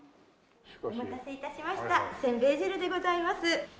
お待たせ致しましたせんべい汁でございます。